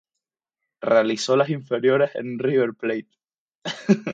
Realizó las inferiores en River Plate.